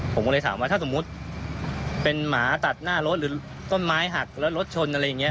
ผมก็เลยถามว่าถ้าสมมุติเป็นหมาตัดหน้ารถหรือต้นไม้หักแล้วรถชนอะไรอย่างนี้